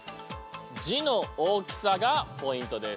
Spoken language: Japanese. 字の大きさがポイントです。